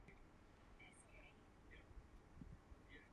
Jeho gesto vyvolalo celosvětový ohlas.